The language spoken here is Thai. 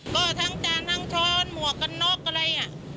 ก็ทั้งจานทั้งช้อนหมวกกันน็อกอะไรอ่ะ